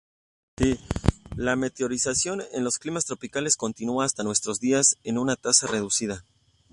La meteorización en los climas tropicales continúa hasta nuestros días una tasa reducida.